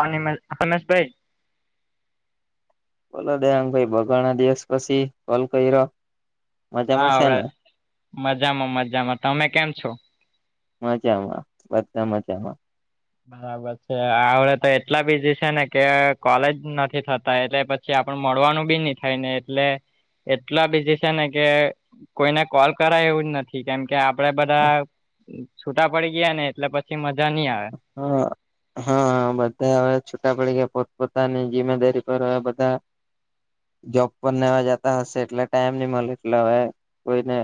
હ નિમ હમેશભાઈ બોલો દે ભાઈ બગા ના દિવસ પછી કોલ કર્યો હા મજામાં છે અવડે ને મજામાં મજામાં તમે કેમ છો મજામાં બધા મજામાં બરાબર છે આવડે તો એટલા બીઝી છે ને કે કોલેજ નથી થતા એટલે પછી આપણું મળવાનું બી ની થાય ને એટલે એટલા બિઝી છે ને કે કોઈને કોલ કરાય એવું જ નથી. કેમ કે આપડે બધા છૂટા પડી ગયા ને એટલે પછી મજા ની આવે. હા હા બધા હવે છૂટા પડી ગયા પોતપોતાની જિમેદારી પર હવે બધા જોબ પર ને એવા જતા હશે એટલે ટાઈમ નહી મળે એટલે હવે કોઈને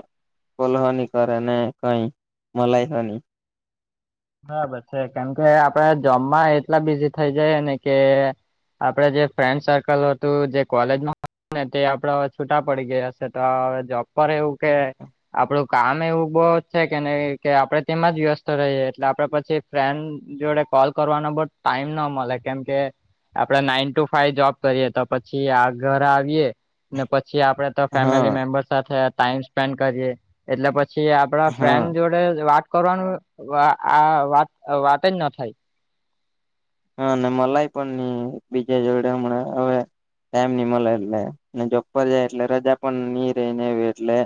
કોલ હોની કરે ને કઈ મલાઈ હોની. બરાબર છે કારણમ કે આપડે જોમમાં એટલા બિઝી થઈ જાય ને કે આપડે જે ફ્રેન્ડ સર્કલ હતું જે કોલેજમાં હતું ને તે આપડા હવે છૂટા પડી ગયા. સેતો જોબ પર એવું કે આપડું કામ એવું બહુ છે કે ને કે આપડે તેમાં જ વ્યસ્ત રહીએ. એટલે આપડે પછી ફ્રેન્ડ જોડે કોલ કરવાનો બહ ટાઈમ ના મળે કેમકે આપડે નાઈન ટુ ફાઈવ જોબ કરીએ તો પછી આ ઘર આવીએ ને પછી આપડે તો હા ફેમિલી મેમ્બર સાથે ટાઈમ સ્પેન્ડ કરીયે એટલે પછી આપડા હા ફ્રેન્ડ જોડે વાત કરવાનું આ વાત વાત જ ના થાય. હા અને મલાઈ પણ નઈ બીજા જોડે હમણાં હવે ટાઈમ ની મળે એટલે ને જોબ પર જાય એટલે રજા પણ ની રેયને એવી એટલે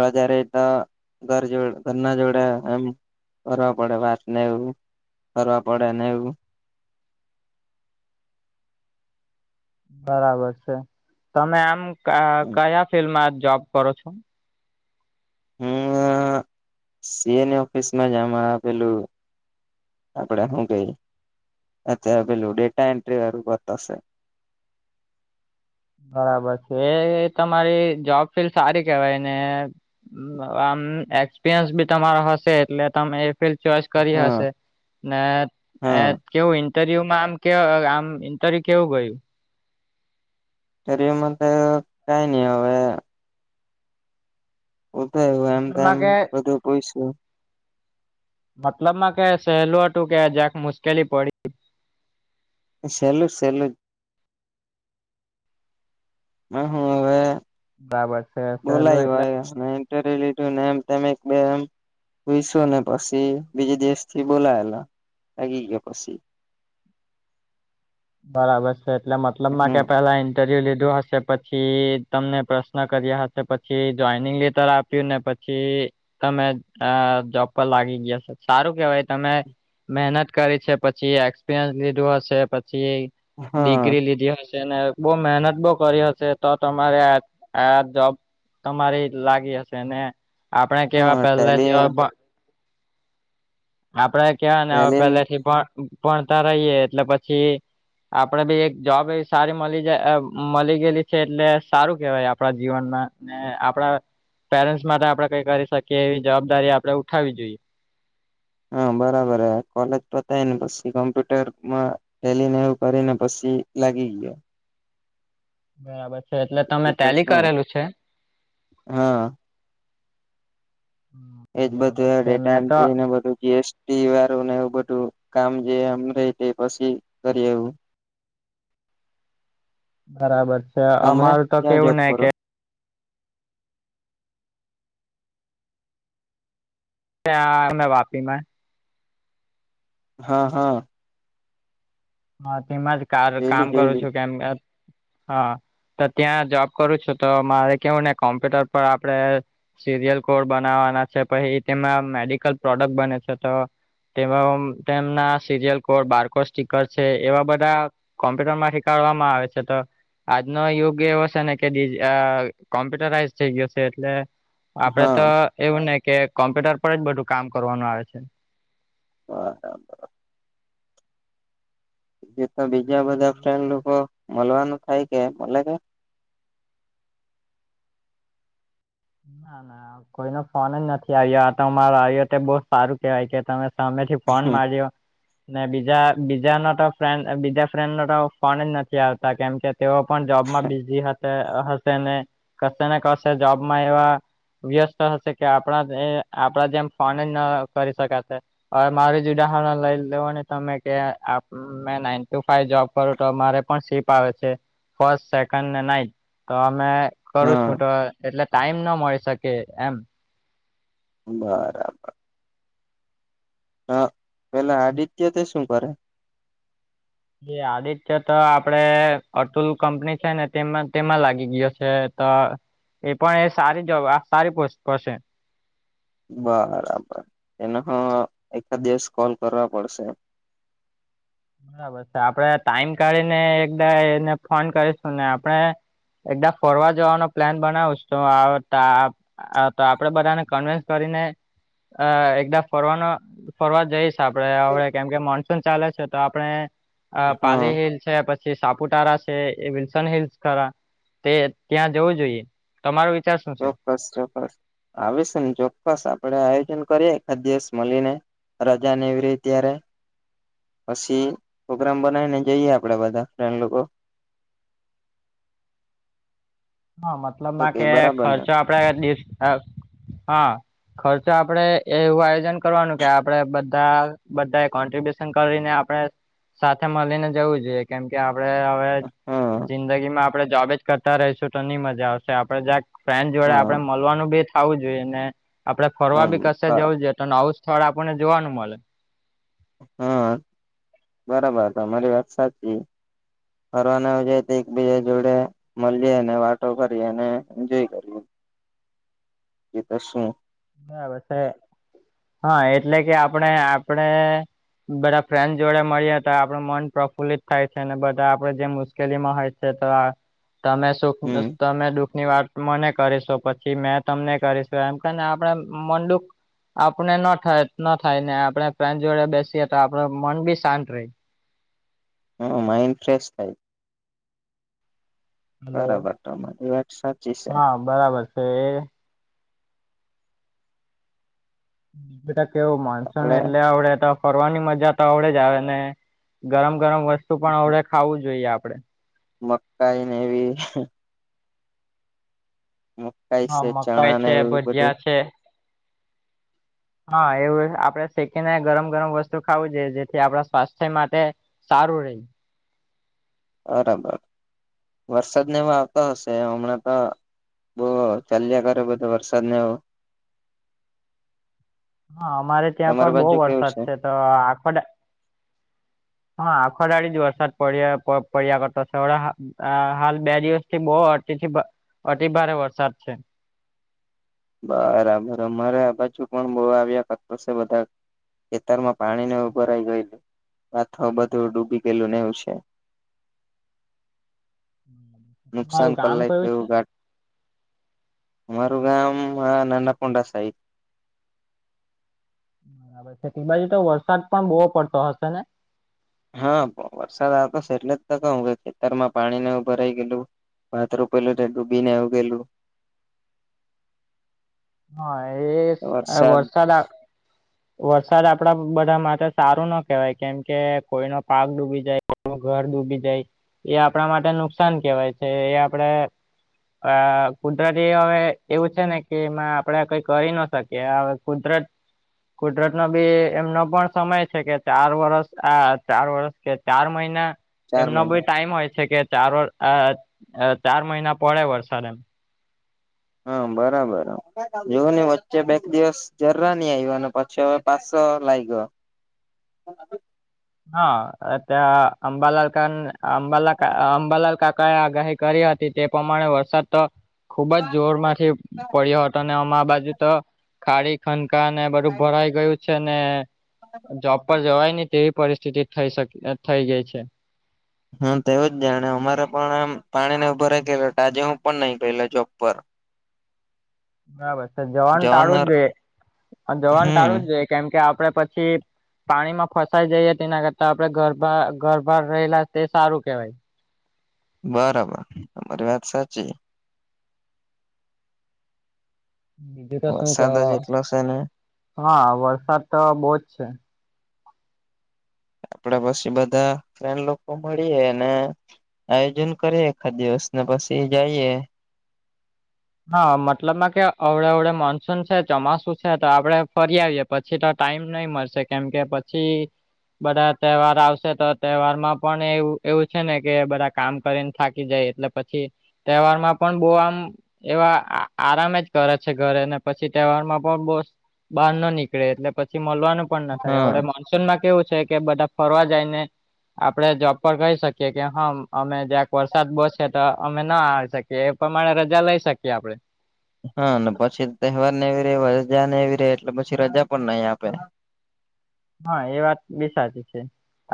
રજા રેય તો ઘર જોડ ઘરના જોડે એમ કરવા પડે વાત નેવું કરવા પડે નેવું બરાબર છે તમે આમ કયા ફિલ્ડમાં જોબ કરો છો હું સીએની ઓફિસમાં જામ આપેલું આપડે હું કેઈ અત્યારે પેલું ડેટા એન્ટ્રી વાળું કરતો શે. બરાબર છે તમારી જોબ ફી સારી કેવાય ને આમ એક્સપિરયન્સ બી તમારો હશે એટલે તમે ફિલ્ડ ચોઈસ કરી હા હશે ને હા કેવું ઇન્ટરવ્યુ આમ કે આમ ઇન્ટરવ્યુ કેવું ગયું ઇન્ટરવ્યુ માં કઈ નહી હવે [unintelligible] એમ તો મતલબમાં એમ કે બધું પૂયશુ. મતલબ માં કે સહેલું હતું કે જક મુશ્કેલી પડી સેલુ સેલું જ હ હું હવે બરાબર છે સહેલું એટલે બોલાયવા અને ઇન્ટરવ્યુ લીધું ને એમ તેમ બે એમ પુઈશુ ને પછી બીજે દિવસ થી બોલાવેલો લાગી ગયો પસી. બરાબર છે એટલે મતલબ માં કે હમ પેલા ઇન્ટરવ્યુ લીધું હશે પછી તમને પ્રશ્ન કર્યા હશે પછી જોઈનિંગ લેટર આપ્યું ને પછી પછી તમે અ જોબ પર લાગી ગયા છો સારું કેવાય તમે મહેનત કરી છે પછી એક્સપિરયન્સ લીધું હશે પછી હા ડિગ્રી લીધી હશે. ને બહ મહેનત બહ કરી હશે તો તમારે આ આ જોબ તમારી લાગી હશે ને આપડે કેવા હા પહેલે ટેલી થી અભણ આપડે કેવાય ને હવે ટેલી પેલે થી ભણતા રહીએ એટલે પછી આપડે બી એક જોબ એવી સારી મળી મળી ગયેલી છે એટલે સારું કેહેવાય આપણા જીવનમાં ને આપડા પેરેન્ટ્સ માટે આપડે કઈ કરી શકીએ એવી જવાબદારી આપડે ઉઠાવવી જોઈએ. હા બરાબર હ કોલેજ પતાય ને પછી કોમ્પ્યુટરમાં ટેલી ને એવું કરીને પછી લાગી ગયો. બરાબર છે એટલે તમે એ તો ટેલી શું કરેલું છે હા એજ બરાબર બધું છે ડેટા મેં તો એન્ટ્રી ને બધું જી એસ ટી વારુ ને એવું બધું કામ જે એમ રેયતે પછી કરી એવું બરાબર છે તમે અમારું તો ક્યાં કેવું જોબ ને કરો કે [unintelligible] વાપીમાં હા હા હા તેમાં જ કાર જોયલી કામ કરું જોયલી છું કેમ કે હા તો ત્યાં જોબ કરું છું તો મારે કેવું ને કોમ્પ્યુટર પર આપડે સિરિયલ કોડ બનાવવાના છે પછી તેમાં મેડિકલ પ્રોડક્ટ બને છે તો તે તેમના સિરિયલ કો બારકો કર છે એવા બધા કોમ્પ્યુટર માં શીખડવામાં આવે છે તો આજનો યુગ એવો છે ને કે કોમ્પ્યુટરાઈઝ થઈ ગયો છે એટલે આપડે હા તો એવું ને કે કોમ્પ્યુટર પર જ બધું કામ કરવાનું આવે છે. હા ગ્રુપ મા બીજા બધા ફ્રેન્ડ લોકો મળવાનું થાય કે મળે કે ના ના કોઈ ન ફોન જ નથી આવ્યોતમારો આવ્યો તે બહ સારું કેવાય કે તમે સામેથી ફોન માર્યો ને બીજા બીજા ન તો ફ્રેન્ડ બીજા ફ્રેન્ડ નો તો ફોન જ નથી આવતા કેમ કે તેઓ પણ જોબમાં બિઝી હશે ને કશે ને કશે જોબમાં એવા વ્યસ્ત હશે કે આપણા આપણા જેમ ફોન જ ના કરી શકાશે. હવે મારી જ ઉદાહરણ લઈ લેવ ને તમે કેઆ મે નાઈન ટુ ફાઈવ જોબ કરું તો મારે પણ સીપ આવે છે. ફર્સ્ટ સેકન્ડને નાઈટ તો અમે કરું છું હા તો એટલે ટાઈમ ના મળી શકે એમ બરાબર પેલા આદિત્ય તે શું કરે આદિત્ય તો આપડે અતુલ કંપની છે ને તેમાં તેમાં લાગી ગયો છે તો એ પણ એ સારી જોબ સારી પોસ્ટ પર સે બરાબર એના હ એકાદ દિવસ કોલ કરવા પડશે. બરાબર છે આપડે ટાઈમ કાઢીને એકદા એને ફોન કરીશું ને આપણે એકદા ફોરવા જવાનો પ્લાન બનાવુંશ તો આવતા અ તો આપડે બધાને કન્વિન્સ કરીને અ એકદમ ફરવાનો ફરવા જઈશ આપડે હવે કેમ કે મોનસૂન ચાલે છે. તો આપણે હા પાલી હિલ છે પછી સાપુતારા છે એ વિલ્સન હિલ્સ ખરા તે ત્યાં જવું જોઈએ તમારો વિચાર શું છે ચોક્કસ ચોક્કસ આવીશ ને ચોક્કસ આપડે આયોજન કરીએ એકદિવસ મળીને રજા ને એવી રી ત્યારે પછી પ્રોગ્રામ બનાવીને જઈએ આપડે બધા ફ્રેન્ડ લોકો હા શું મતલબમાં કે બરાબર ને ખર્ચો આપડે [unintelligible] ખર્ચો આપડે એવું આયોજન કરવાનું કે આપડે બધા બધા [unintelligible] કરીને આપણે સાથે મળીને જવું જોઈએ કેમ કે આપડે હવે હા જિંદગી માં આપડે જોબેજ કરતા રહીશું તો નહી મજા આવશે આપડે [unintelligible] ફ્રેન્ડ જોડે આપડે હા મળવાનું બી થવું જોઈએ ને આપડે ફરવા બી હમ કશે જવું જોઈએ આવું સ્થળ આપણને જોવાનું મળે હા [inaudible] બરાબર તમારી વાત સાચી ફરવાના જાય તો એકબીજા જોડે મલીએ અને વાતો કરી અને એન્જોય કરી કે તો શું? બરાબર છે હા એટલે કે આપણે આપડે બધા ફ્રેન્ડ જોડે મળ્યા હતા આપડ મન પ્રફુલ્લિત થાય છે અને બધા આપડે જેમ મુ કેલીમાં હોય છે તો આ તમે સુખ હમ તમે દુઃખ ની વાત મને કરીશો પછી મે તમને કરીશું એમ કેને આપડે આમ મનદુઃખ આપણે ન થાય ન થાય ને આપણે ફ્રેન્ડ જોડે બેસીએ તો આપૂડ મન બી શાંત રહે. હ માઈન્ડ ફ્રેશ થાય હલો. બરાબર તો બધી વાત સા હા બરાબર છે એ બેટા કેવું મોનસૂન આપડે એટલે આવડે તો ફરવાની મજા તો આવડે જ આવે ને ગરમ ગરમ વસ્તુ પણ આવડે ખાવું જોઈએ આપડે મકાઈને એવી મકાઈ હા છે મકાઈ ચણા ને છે, એવું બધું ભજીયા છે, હા એવું આપડે સેકી ને ગરમ ગરમ વસ્તુ ખાવું જોઈએ જેથી આપણા સ્વાસ્થ્ય માટે સારું રે. અરાબર વરસાદને એવ આવતો હશે હમણાં તો બો ચાલ્યા કરે બધો વરસાદ ને એવ. હા અમારે ત્યાં તમારી પણ બહુ બાજુ કેવું વરસાદ છે તો આખોદા હા આખો જ દાડી વરસાદ પડ્યા પ પડ્યા કરતા હમળા હ આ હાલ બે દિવસથી બૌ અતિથી અતિભારે વરસાદ છે. બરાબર અમારે આ બાજુ પણ બઉ આવ્યા કરતો છે, વધારે ખેતરમાં પાણી ને એવું ભરાઈ ગયેલું ભાત હો બધું ડૂબી ગયેલું નેવું છે. [inaudible] નુકસાન ગામ કલાઇખુ કયું છે એવું ઘાટ અમારું ગામ આ નાનાકુંડા સાઈડ બરાબર છે તી બાજુ તો વરસાદ પણ બહો પડતો હશે ને? હા વરસાદ આવતો છે એટલે જ કહું કે ખેતરમાં પાણી ને એવું ભરાઈ ગયલું ભાત રોપેલું તે ડૂબીને આવ ગયેલું [inaudible] હા એ એ વરસાદ આવ વરસાદ આપડા બધા માટે સારું ના કહેવાય કેમ કે કોઈ નો પાક ડૂબી જાય નું ઘર ડૂબી જાય એ આપણા માટે નુકસાન કેહેવાય છે એ આપડે અ કુદરતી હવે એવું છે ને કે એમાં આપડે કઈ કરી ન શકીએ હવે કુદરત કુદરત નો બી એમનો પણ સમય છે કે ચાર વર્ષ આ ચાર વર્ષ કે ચાર મહિના ચાર એમનો બી મહિના ટાઈમ હોય છે કે ચાર વ અ અ ચાર મહિના પડે વરસાદ એમ હા બરાબર જોવ ને વચ્ચે બે ક દિવસ જરા ની આવયો અને પછી હવે પાસો લાઇગો હા ત્યાં અંબાલાલ કાન અંબાલા કા અંબાલાલ કા કા એ આગાહી કરી હતી તે પ્રમાણે વરસાદ તો ખુબ જ જોર માંથી પડ્યો હતો ને અમા બાજુ તો ખાડી ખંકાને બધું ભરાઈ ગયું છે ને જોબ પર જવાય નહી તેવી પરિસ્થિતિ થઈ શક થઈ ગઈ છે. હા તેવુ જ જાણે અમારે પણ એમ પાણી ને એઉ ભરાઈ ગેલા ટાજે હું પણ નહી ગેલો જોબ પર. બરાબર છે જવાનું ટાળું જવાનાર જ જોઈએ જવાનું હમ ટાળું જ જોઈએ કેમ કે આપડે પછી પાણી માં ફસાઈ જઈ હતી એના કરતા આપડે ગરભા ગરભા પર રહેલા તે સારું કેવાય. બરાબર અમારી વાત સાચી. બીજું તો શું કે વરસાદ જ એટલો છે ને હા વરસાદ તો બો જ છે. આપડે પછી બધા ફ્રેન્ડ લોકો મળીએે ને આયોજન કરીએ એકાદ દિવસ ને પછી જાઈએ. હા મતલબમાં કે અવડે અવડે મોનસૂન છે ચોમાસું છે તો આપડે ફરી આવીએ. પછી તો ટાઈમ નહી મળશે કેમ કે પછી બધા તહેવાર આવશે તો તહેવાર માં પણ એવું એવું છે ને કે બધા કામ કરીને થાકી જાય એટલે પછી તહેવાર માં પણ બહું આમ એવા આરામે જ કરે છે ઘરે અને પછી તહેવારમાં પણ બો બહાર ન નીકળે એટલે પછી મળવાનું પણ ના થાય હા અવડે મોન સુન માં કેવું છે કે બધા ફરવા જાય ને આપડે જોબ પર કહી શકીએ, કે હમ અમે જ્યાક વરસાદ બોસશે તો અમે ના આવી શકીએ, કે એ પ્રમાણે રજા લઈ શકીએ આપડે. હા, ને પછી તહેવાર ને એવી ર રજા ને એવી ર એટલે પછી રજા પણ નહી આપે. હા, એ વાત બી સાચી છે.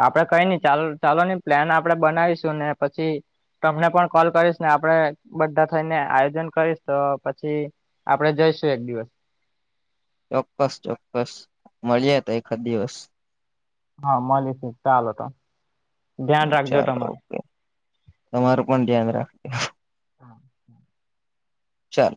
આપડે કઈ નઈ ચાલ ચાલો નહી પ્લાન આપડે બનાવીશું ને પછી, તમને પણ કોલ કરીશ ને આપણે બધા થઈને આયોજન કરીશ તો પછી, આપડે જઈશું એક દિવસ. ચોક્કસ ચોક્કસ મળીય તો એકાદ દિવસ. હા, મળીશ ચાલો તો ધ્યાન રાખજો ચાલો તમારુ. ઓકે તમારું પણ ધ્યાન રાખજો. હા હા. ચાલો.